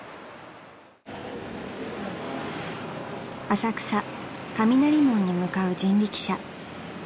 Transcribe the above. ［浅草雷門に向かう人力車］